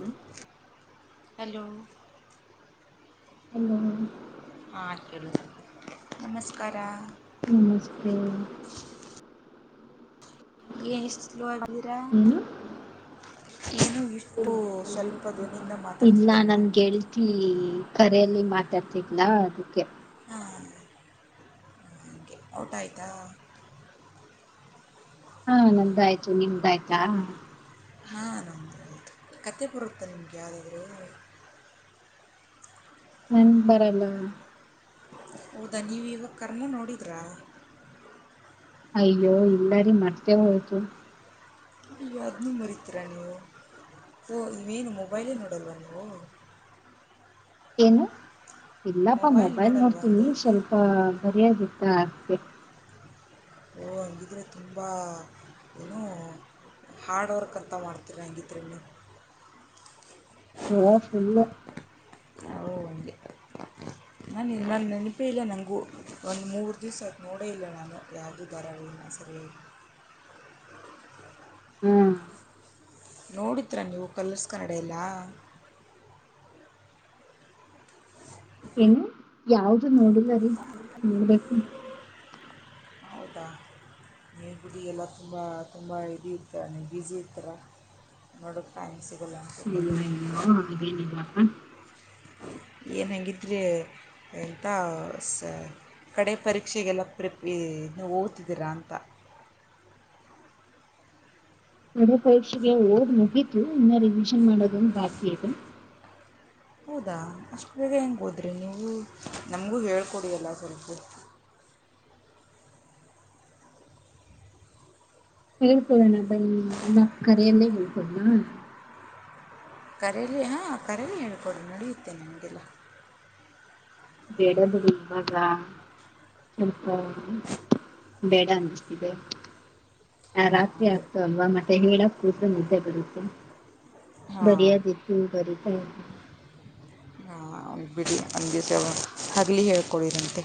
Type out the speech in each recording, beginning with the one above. ಹ್ಮ ಹಲೋ ಅಲ್ಲ ಹಾಂ ನಮಸ್ಕಾರ ನಮಸ್ತೆ ಯ [unintelligible] ಲುವ ಇರಾ ನೀನು ಸ್ವಲ್ಪ ಧ್ವನಿಯಿಂದ ಇಲ್ಲ ಮಾತಾಡ್ತಿದ್ದಿಲ್ಲ ನನ್ ಅಂತ ಗೆೇಳ್ತಿ ಕರೆಯಲ್ಲಿ ಮಾತಾಡ್ತಿದ್ಲಾ ಅದಕ್ಕೆ ಹಾಗೆ ಔಟ ಆಯ್ತಾ ಹಾ ನಂದಾಯ್ತು ನಿಮ್ದಾಯ್ತಾ ಹಾ ನಮ ಹೌದು ಕತೆೆ ಬರುತ್ತೆ ನಿಮ್ಗೆ ಯಾವುದಾದ್ರೂ ನನ್ ಬರಲ್ಲ ಹೌದಾ ನೀವ ಇವ ಕರ್ಣ ನೋಡಿ ಬ್ರಾ ಅಯ್ಯೋ ಇಲ್ಲಾರಿ ಮರ್ತೇ ಹೋಯ್ತು ಯಾದ್ ನೀ ಮರಿತೀರಾ ನೀವು ಓ ನೀವೇನು ಮೊಬೈಲೇ ನೋಡಲ್ವಾ ನೀವು ಏನು ಇಲ್ಲಪ್ಪಾ ಮೊಬೈಲ್ ನೋಡಲ್ವಾ ನೋಡ್ತೀನಿ ಅಂದೆ ಸ್ವಲ್ಪ ಬರಿಯಾಗಿತ್ತ ಆದಿಕೆ ಓ ಹಂಗಿದ್ರೆ ತುಂಬ ಏನು ಹಾರ್ಡ್ ವರ್ಕ್ ಅಂತ ಮಾಡ್ತೀರ ಹಂಗಿದ್ರಲ್ಲಿ ಹಾ ಸುಲ್ ಹ ಹಗೆ ನಾನು ನನ್ನ ನೆನಪೇ ಇಲ್ಲ ನನಗೂ ಒಂದು ಮೂರು ದಿವ್ಸ ಆಯತು ನೋಡೇ ಇಲ್ಲ ನಾನು ಯಗಿದ್ದಾರೆನ್ನ ಸರಿ ಹಾ ನೋಡತ್ರಾ ನೀವು ಕಲರ್ಸ್ ಕನ್ನಡ ಎಲ್ಲ ಏನು ಹ್ಮದಕ್ಕ ಹೌದಾ ನೀನು ಗುಡಿಗೆಲ್ಲ ತುಂಬ ತುಂಬ ಇ ಇರ್ತರ ನೀನು ಬ್ಯುಝಿ ಇರ್ತರ ನೋಡೋಕ್ಕೆ ಟೈಮ್ ಸಿಗ ಹಯ ಹಾಗೆನಇಲಪ್ಪ ಏನಂಗಿದ್ರೆ ಎಂತ ಸ ಕಡೆ ಪರೀಕ್ಷೆಗೆಲ್ಲ ಪ್ರಿಪ ಹೋಗ್ತಿದ್ದೀರಾ ಅಂತ ನರ ಪರೀಕ್ಷೆಗೆ ಓಡ್ ಮುಗಿತು ಇನ್ನ ರಿವಿಷನ್ ಮಾಡೋದನ್ನು ಬಾಕಿ ಇದೆ ಹೌದಾ ಅಷ್ಟು ಬೇಗ ಹೆಂಗೆ ಹೋದ್ರಿ ನೀವು ನಮಗೂ ಹೇಳ್ಕೊಡಿಯಲ್ಲ ಸ್ವಲ್ಪು ಹೇಳ್ಕೊಳ್ಳೋಣ ಬನ್ನಿನ್ನ ಕರೆಯಲ್ಲೇ ಹೇಳ್ಕೊಡಣ ಕರಲಿ ಹಾಂ ಕರಲಿ ಹೇಳ್ಕೊಡು ನಡೆಯುತ್ತೆ ನಮಗೆಲ್ಲ ಬೇಡದು ಇವಾಗ ಹೌ ಬೇಡ ಅನ್ನಿಸ್ತಿದೆ ಆ ಹಾಂ ರಾತ್ರಿ ಹಾಗೆ ಆಗ್ತ ಅಲ್ವಾ ಮತ್ತೆ ಹೇಳಕ್ ಕೂತ್ ನಿದ್ದೆ ಬರುತ್ತೆ ಬರಿಯ ಹಾಂ ದಿತು ಬರಿತ ಬಿಡಿ ಅ ಹಗಲಿ ಹೇಳ್ಕೊಳಿರಂತೆ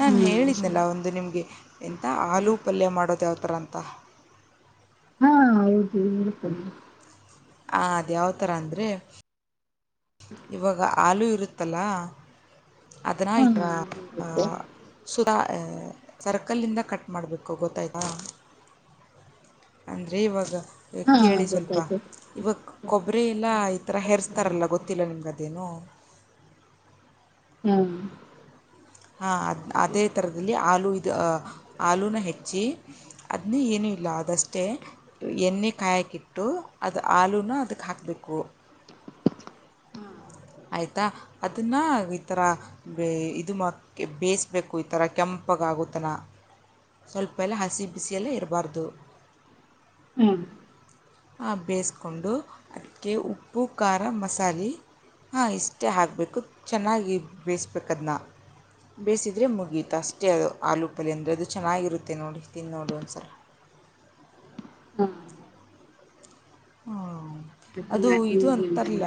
ನಾನು ಹ್ಮ್ ಹೇಳಿದ್ನಲ್ಲ ಸರಿ ಒಂದು ನಿಮಗೆ ಎಂಥ ಆಲೂ ಪಲ್ಯ ಮಾಡೋದು ಯಾವ ಥರ ಅಂತ ಕತ್ತ ಹಾ ಹೌದು ಇಡ್ತ ಹ ಅದ ಯಾವತರ ಅಂದ್ರೆ ಕೃತ್ತಲ ಅದನ್ನ ಹಾ ಇಟ್ರ ಆಗಿರುತ್ತೆ ಸುಧಾ ಸರ್ಕಲಿಂದ ಕಟ್ ಮಾಡಬೇಕು ಗೊತ್ತಾಯ್ತಾ ಅಂದರೆ ಇವಾಗ ಹಾ ಕೇಳಿ ಸ್ವಲ್ಪ ಗೊತ್ತಾಯ್ತು ಇವಾಗ ಕೊಬ್ಬರಿ ಎಲ್ಲ ಈ ಥರ ಹೆರಿಸ್ತಾರಲ್ಲ ಗೊತ್ತಿಲ್ಲ ನಿಮ್ಗ ಅದೇನು ಹ್ಮ್ಮ್ ಹ ಅ ಅದೇ ತರದಲ್ಲಿ ಹಲೂ ಇ ಆಲೂನ ಹೆಚ್ಚಿ ಅದನ್ನ ಏನುೂ ಇಲ್ಲ ಅದಷ್ಟೇ ಎಣ್ಣೆ ಕಾಯಾಕಿಟ್ಟು ಅದು ಆಲೂನ ಅದಕ್ಕೆ ಹಾಕಬೇಕು ಹಾ ಆಯಿತಾ ಅದನ್ನು ಈ ಥರ ಇದು ಮ ಬೇಯಿಸ್ಬೇಕು ಈ ಥರ ಕೆಂಪಗಾಗೋುತ್ತನ ಸ್ವಲ್ಪ ಎಲ್ಲ ಹಸಿ ಬಿಸಿಯಲ್ಲೇ ಇರಬಾರ್ದು ಹಾ ಹಾಂ ಬೇಯಿಸಕೊಂಡು ಅದಕ್ಕೆ ಉಪ್ಪು ಖಾರ ಮಸಾಲೆ ಹಾಂ ಇಷ್ಟೇ ಹಾಕಬೇಕು ಚೆನ್ನಾಗಿ ಬೇಯಿಸ್ಬೇಕುದನ್ನ ಬೇಯಿಸಿದ್ರರೆ ಮುಗಿಯಿತು ಅಷ್ಟೇ ಅದು ಆಲೂ ಪಲ್ ಅಂದರೆ ಅದು ಚೆನ್ನಾಗಿರುತ್ತೆ ನೋಡಿ ತಿಂದು ನೋಡಿ ಒಂದಸಲ ಹಾ ಹ್ಮ ಮತ್ತೆ ಅದು ಮಾಡ್ತೀನಿ ಇದು ನೀವು ಅಂತರಲ್ಲ ಹೇಳ್ದಂಗೆ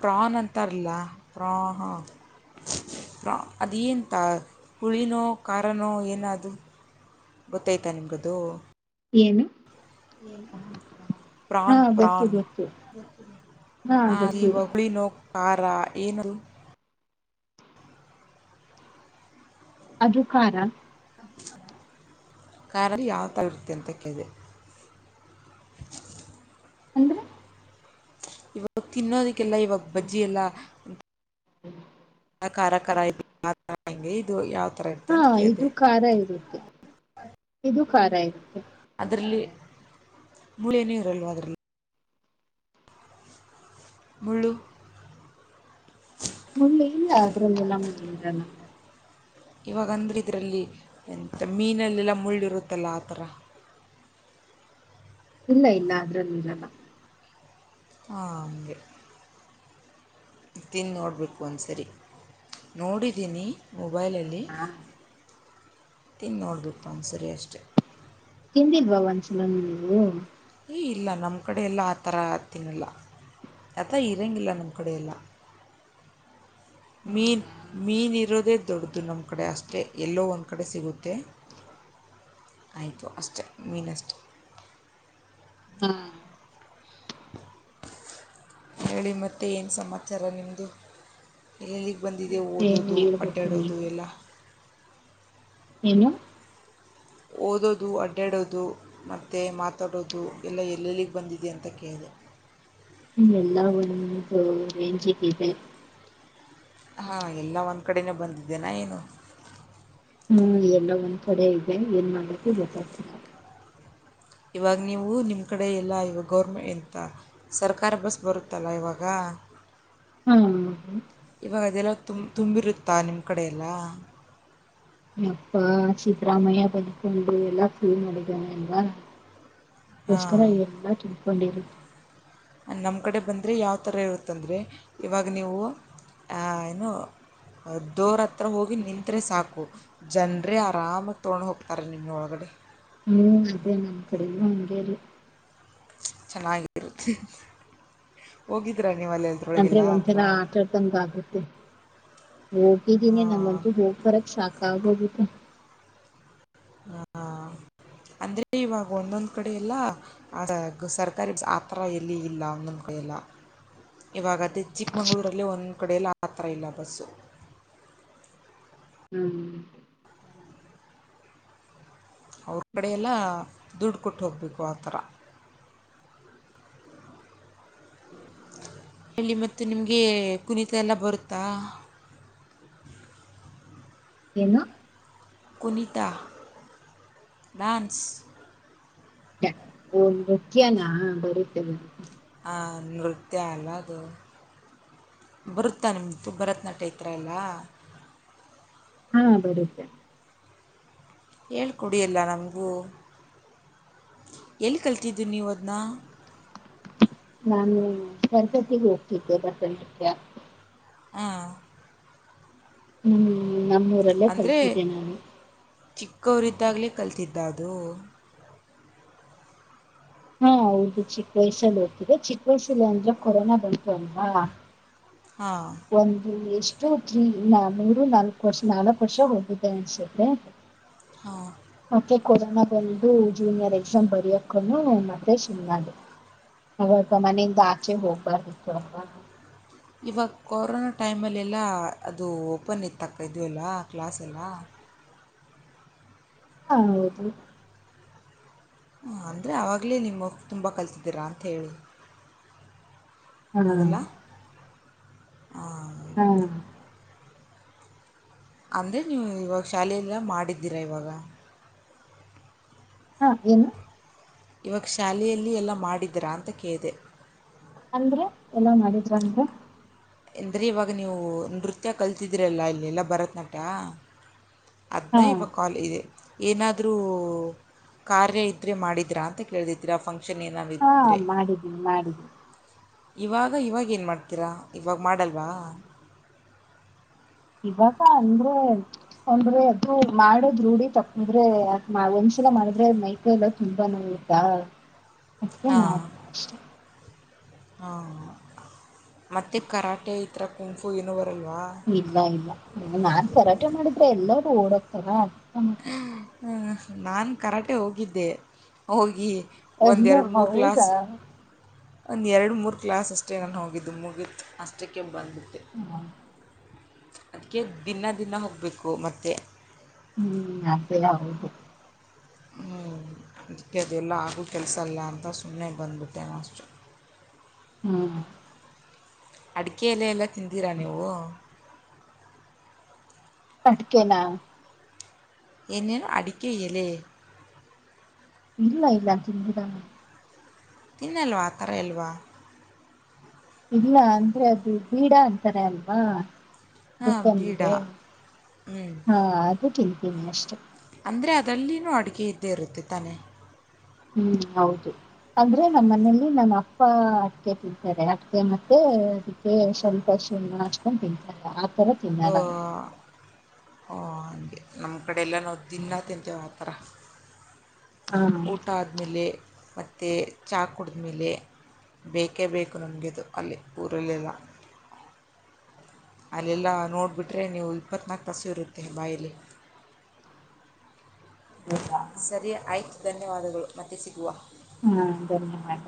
ಪ್ರಾನ್ ಅಂತಾರಲ್ಲ ಪ್ರಾ ಪ್ರಾ ಅದೇಂತ ಉಳಿನೋ ಖಾರನೋ ಏನದು ಗೊತೈಯ್ತಾ ನಿಮ್ಗದು? ಏನು ಹಾ ಪ್ರಾನ್ ಗೊತ್ತು ಪ್ರಾನ್ ಗೊತ್ತು ಹಾ ಆ ಈ ಗೊತ್ತು ಉಳಿನೋ ಖಾರಾ ಏನದು? ಅದು ಕಾರ ಕಾರಲಿ ಯಾವ್ತರ ಇರುತ್ತೆ ಅಂತ ಕೇಳ್ದೆ [unintelligible] ಅಂದ್ರ ಇವಾಗ್ ತಿನ್ನೋದಿಕ್ಕೆಲ್ಲ ಇವಾಗ್ ಬಜ್ಜಿ ಎಲ್ಲ ಹ [unintelligible] ಅಂಗೆ ಇದು ಯಾ ಹಾ ಇದು ಖಾರ ಇರುತ್ತೆ ಇದು ಕಾರ ಇರುತ್ತೆ ಅದ್ರಲ್ಲಿ ಮೂಳೇನೂ ಇರಲ್ವ ಅದ್ರಲ್ಲಿ ಮುಳ್ಳು ಮುಳ್ಳಿಲ್ಲ ಅದ್ರಲ್ಲೆಲ್ಲ ಮುಳ್ಳಿರಲ್ಲ ಇವಾಗಂದ್ರೆ ಇದ್ರಲ್ಲಿ ಎಂತ ಮೀನಲ್ಲೆಲ್ಲ ಮುಳ್ಳಿರುತ್ತಲ್ಲ ಆ ತರ ಇಲ್ಲ ಇಲ್ಲ ಅದ್ರಲ್ಲಿ ಇರಲ್ಲ ಹಾ ಅಂಗೆ ತಿಂದ್ ನೋಡ್ಬೇಕು ಒಂದ್ಸರಿ ನೋಡಿದಿನಿ ಮೊಬೈಲಲ್ಲಿ ಹಾ ತಿಂದ್ ನೋಡ್ಬೇಕು ಒಂದ್ಸರಿ ಅಷ್ಟೆ ತಿಂದಿಲ್ವಾ ಒಂದ್ಸಲನು ನೀವು ಏ ಇಲ್ಲ ನಮ್ ಕಡೆ ಎಲ್ಲ ಆ ತರ ತಿನ್ನಲ್ಲ ಯಲ ಇರಂಗಿಲ್ಲ ನಮ್ ಕಡೆ ಎಲ್ಲ ಮೀನ್ ಮೀನ್ ಇರೋದೇ ದೊಡ್ದು ನಮ್ ಕಡೆ ಅಷ್ಟೆ ಎಲ್ಲೋ ಒಂದ್ ಕಡೆ ಸಿಗುತ್ತೆ ಆಯ್ತು ಅಷ್ಟೆ ಮೀನಷ್ಟೆ ಹಾ ಹೇಳಿ ಮತ್ತೆ ಏನ್ ಸಮಾಚಾರ ನಿಮ್ದು ಎಲ್ ಬಂದಿದೆ ಏನ್ ಓದೋದು ಹೇಳ್ಬೇಕು ಅಡ್ಡಾಡೋದು ನೀವು ಎಲ್ಲ ಏನು ಓದೋದು ಅಡ್ಡಾಡೋದು ಮತ್ತೆ ಮಾತಾಡೋದು ಎಲ್ಲ ಎಲ್ಲೆಲ್ಲಿಗೆ ಬಂದಿದೆ ಅಂತ ಕೇಳಿದೆ ಎಲ್ಲಾ ಒಂದು ರೆಂಜಿಗಿದೆ ಹಾ ಎಲ್ಲ ಒಂದ್ ಕಡೆನೇ ಬಂದಿದ್ದೇನಾ ಏನು ಹ್ಮ್ ಎಲ್ಲ ಒಂದ್ ಕಡೆ ಇದೆ ಏನ್ ಮಾಡ್ಬೇಕು ಗೊತ್ತಾಗ್ತಿಲ್ಲ ಇವಾಗ್ ನೀವು ನಿಮ್ ಕಡೆ ಎಲ್ಲ ಇವಾಗ ಗೌರ್ಮೆ ಎಂತ ಸರ್ಕಾರಿ ಬಸ್ ಬರುತ್ತಲ್ಲ ಇವಾಗ ಹಾ ಇವಾಗ ಅದೆಲ್ಲ ತುಮ್ ತುಂಬಿರುತ್ತಾ ನಿಮ್ ಕಡೆ ಎಲ್ಲ ಯಪ್ಪಾ ಸಿದ್ರಾಮಯ್ಯ ಬಂದ್ಕೊಂಡು ಎಲ್ಲಾ ಫ್ರೀ ಮಾಡಿದ್ದಾನೆ ಅಲ್ವಾ ಓಸ್ಕರ ಹಾಂ ಎಲ್ಲಾ ಕೊನ್ಡಿರುತ್ತೆ ನಮ್ ಕಡೆ ಬಂದ್ರೆ ಯಾವ ತರ ಇರುತಂದ್ರೆ, ಇವಾಗ್ ನೀವು ಆ ಏನು ಹ್ ಡೋರ್ ಹತ್ರ ಹೋಗಿ ನಿನ್ತ್ರೆ ಸಾಕು ಜನ್ರೇ ಆರಾಮಾಗ್ ತೊಗೊಂಡ್ ಹೋಗ್ತಾರೆ ನಿಮ್ನ ಒಳಗೆ ಹ್ಮ್ ಅದೇ ನಮ್ಮ್ ಕಡೆಲ್ಲ ಸರಿ ಚೆನ್ನಾಗಿರುತ್ತೆ ಹೋಗಿದ್ರ ಅಂದ್ರೆ ಒಂಥರಾ ಆಟ ಆಡ್ತಂಗಂಗ ಆಗುತ್ತೆ ಹೋಗಿದ್ದೀನಿ ಹಾಂ ನಮ್ಮಂತೂ ಹೋಗಬರಕ್ ಸಾಕಾಗೋಗುತ್ತೆ ಹ ಅಂದ್ರೆ ಇವಾಗ ಒಂದೊಂದ್ ಕಡೆ ಎೆಲ್ಲ ಸರ್ಕಾರಿ ಆ ಥರ ಎಲ್ಲಿ ಇಲ್ಲ ಒಂದೊಂದ್ ಕಡೆ ಎಲ್ಲ ಇವಾಗ ಅದೇ ಚಿಕ್ಕಮಂಗಗಳೂರಲ್ಲ ಒಂದೊಂದ್ ಕಡೆ ಎಲ್ಲ ಆ ತರ ಇಲ್ಲ ಬಸ್ಸು ಹ್ಮ್ ಅವ್ರ ಕಡೆ ಎಲ್ಲ ದುಡ್ಡು ಕೊಟ್ಟು ಹೋಗ್ಬೇಕು ಆ ಥರ ಇಲ್ಲಿ ಮತ್ತು ನಿಮಗೆ ಕುಣಿತ ಎಲ್ಲ ಬರುತ್ತಾ ಏನು ಕುಣಿತಾ ಡಾನ್ಸ್ [unintelligible] ಒಂದು ನೃತ್ಯನಾ ಬರುತ್ತೆ ಬರುತ್ತೆ ನೃತ್ಯ ಎಲ್ಲದು ಬರುತ್ತಾ ನಿಮಂತು ಭರತನಾಟ್ಯ ಹತ್ರ ಎಲ್ಲ ಹಾ ಬರುತ್ತೆ ಹೇಳ್ಕೊಡಿಯಲ್ಲ ನಮಗೂ ಎಲ್ಲಿ ಕಲ್ತಿದ್ದು ನೀವು ಅದನ್ನ ನಾನು ಸರಕತಿಗೆ ಹೋಗ್ತಿದ್ದೆ ಬಸಂ [unintelligible] [inaudible] ಹಾ ಹ್ಮ್ ನಮ್ಮೂರಲ್ಲೇ ಅಂದ್ರೆ ಕಲ್ತಿದ್ದೆ ನಾನು ಚಿಕ್ಕವರಿದ್ದಾಗ್ಲೇ ಕಲ್ತಿದ್ದ ಅದು ಹಾ ಹದು ಚಿಕ್ಕ ವಯಸ್ಸಲ್ಲಿ ಹೋಗ್ತಿದೆ ಚಿಕ್ಕ ವಯಸ್ಸಲ್ಲಿ ಅಂದ್ರೆ ಕೊರೋನಾ ಬಂತು ಅಲ್ವಾ ಹಾ ಒಂದು ಎಷ್ಟು ತ್ರೀ ಮೂರು ನಾಲ್ಕು ವರ್ಷ ನಾಲ್ಕು ವರ್ಷ ಹೋಗಿದ್ದೆ ಅನ್ಸುತ್ತೆ ಹಾ ಮತ್ತೆ ಕೊರೋನಾ ಬಂದು ಚುನ್ನ ಅವಾಗ ಮನೆಯಿಂದ ಆಚೆ ಹೋಗ್ಬೇಕಡ ಇವಾಗ ಕೊರೋನಾ ಟೈಮಲ್ಲೆಲ್ಲ ಅದು ಓಪನ್ ಇತ್ತು ತಕ್ಕ ಇದು ಎಲ್ಲ ಕ್ಲಾಸೆಲ್ಲ ಹಾ ಹೌದು ಅಂದರೆ ಆವಾಗಲೇ ನಿಮ್ಮ ತುಂಬ ಕಲತಿದ್ದೀರಾ ಅಂತ ಹೇಳಿ ಹಾ ಹಾ ಹಾ ಅಂದರೆ ನೀವು ಇವಾಗ ಶಾಲೆಯಲ್ಲ ಮಾಡಿದ್ದೀರಾ ಇವಾಗ ಹಾ ಏನು ಇವಾಗ ಶಾಲೆಯಲ್ಲಿ ಎಲ್ಲಾ ಮಾಡಿದರಾ ಅಂತ ಕೇಳ್ ದೆ [unintelligible] ಅಂದ್ರೆ ಎಲ್ಲಾ ಮಾಡಿದ್ರನ್ ಎಂದರೆ ಇವಾಗ ನೀವು ನೃತ್ಯ ಕಲ್ತಿದ್ದೀರಲ್ಲ ಇಲ್ಲೆಲ್ಲ ಭರತನಾಟ್ಯ ಹಾ ಹದಿನೈದು ಕಾಲ್ ಇದೆ ಏನಾದರೂ ಕಾರ್ಯ ಇದ್ದರೆ ಮಾಡಿದರಾ ಅಂತ ಕೇಳದಿದ್ದೀರಾ ಫಂಕ್ಷ ಹಾ ಮಾಡಿದ್ದೀನಿ ಮಾಡಿದ್ದೀನಿ. ಇವಾಗ, ಇವಾಗ ಏನು ಮಾಡ್ತೀರಾ? ಇವಾಗ ಮಾಡಲ್ವಾ? ಇವಾಗ ಅಂದ್ರೆ, ಅಂದ್ರೆ ಮಾಡದ್ ರೂಢಿ ತಪ್ಪಿದ್ರೆ ಒಂದ್ಸಲ ಮಾಡಿದ್ರೆ ಮೈಕೈ ಎಲ್ಲ ತುಂಬಾ ನೋವುತ್ತ ಅದಕ್ಕೆ ನಾರ ಅಷ್ಟೇ ಹ, ಮತ್ತೆ ಕರಾಟೆ ಈಥರ ಕುಂಗ್ಫು ಇಲ್ಲ ಇಲ್ಲ ಇ ನಾನ್ ಕರಾಟೆ ಮಾಡಿದ್ರೆ ಎಲ್ಲರು ಓಡೋಕ್ತರ ಹ ನಾನು ಕರಾಟೆ ಹೋಗಿದ್ದೆ ಹೋಗಿ ಅಯ್ಯೋ ಒಂದೆರಡು ಮೂರ್ ಕ್ಲಾಸ್ ಹೌದಾ ಒಂದ್ ಎರಡು ಮೂರು ಕ್ಲಾಸ್ ಅಷ್ಟೇ ನಾನು ಹೋಗಿದ್ದು ಮುಗಿತು. ಅಷ್ಟಕ್ಕೆ ಬಂದು ಅದಕ್ಕೆ ದಿನ ದಿನ ಹೋಗ್ಬೇಕು ಮತ್ತೆ. [unintelligible] ಹ್ಮ್ ಅದೇ ಹೌದು ಅದಕ್ಕೆ ಅದೆಲ್ಲ ಆಗೂ ಕೆಲಸ ಅಲ್ಲ ಅಂತ ಸುಮ್ಮನೆ ಬಂದ್ಬಿಟ್ಟೆ ಅಷ್ಟೇ. ಹ್ಮ ಅಡಿಕೆ ಎಲೆಯೆಲ್ಲ ತಿಂದಿರಾ ನೀವು? ಅಡಿಕೆನಾ? ಏನ್ ಏನು? ಅಡಿಕೆ ಎಲೆ? ಇಲ್ಲ ಇಲ್ಲ, ತಿಂದಿಲ್ಲ ನಾನು. ತಿನ್ನಲ್ವಾ ಆ ಥರ ಎಲ್ಲಾ? ಇಲ್ಲ ಅಂದ್ರೆ ಅದು ಬೀಡ ಅಂತಾರ ಅಲ್ವಾ, ಹಾಂ ಗೊತ್ತಾ ಬೀಡ ನಿಮಗೆ? ಹ್ಞೂ ಹಾ ಅದ ಅಷ್ಟೇ. ಅಂದರೆ ಅದರಲ್ಲಿನೂ ಅಡುಗೆ ಇದ್ದೇ ಇರುತ್ತೆ ತಾನೇ ಹ್ಮ್ ಹೌದು. ಅಂದ್ರೆ ನಮ್ಮ ಮನೇಲಿ ನಮ್ಮ ಅಪ್ಪ ಅಡಕೆ ತಿಂತಾರೆ. ಅಡಕೆ ಮತ್ತೆ ಅದಕ್ಕೆ ಸ್ವಲ್ಪ ಸುಣ್ಣ ಹಚ್ಕೊಂಡ್ ತಿಂತಾರೆ. ತರ ಓ ತಿನ್ನಲ್ಲ ನಾವು. ಓ ಹಾಗೆ ನಮ್ ಕಡೆ ಎಲ್ಲ ನಾವು ದಿನ ತಿಂತಿವಾ ತರ ಹಾ ಊಟ ಆದಮೇಲೆ ಮತ್ತೆ ಮತ್ತೆ ಚಹ ಕುಡಿದ್ಮೇಲೆ ಬೇಕೇ ಬೇಕು ನಮಗೆ ಅದು, ಅಲ್ಲಿ ಊರಲ್ಲೆಲ್ಲ. ಅಲ್ಲೆಲ್ಲ ನೋಡಿಬಿಟ್ರೆ ನೀವು ಇಪ್ಪತ್ನಾಲ್ಕು ತಾಸು ಇರುತ್ತೆ ಬಾಯಲ್ಲಿ. ಹೌದಾ ಸರಿ ಆಯ್ತ್ ಧನ್ಯವಾದಗಳು ಮತ್ತೆ ಸಿಗುವ ಹ್ಮ್ ಧನ್ಯವಾದ